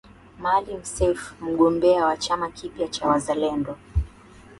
Maalim Seif mgombea wa chama kipya cha Wazalendo